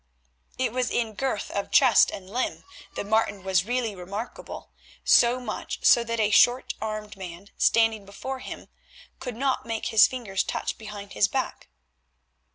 It was in girth of chest and limb that Martin was really remarkable, so much so that a short armed man standing before him could not make his fingers touch behind his back.